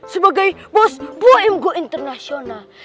sebagai bos poem gue internasional